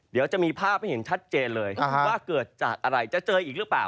เดี๋ยวจะมีภาพให้เห็นชัดเจนเลยว่าเกิดจากอะไรจะเจออีกหรือเปล่า